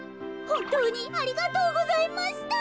ほんとうにありがとうございました。